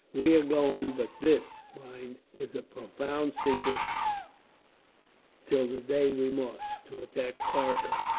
"We are going but this, mind, is a profound secret till the day we march to attack Arcot.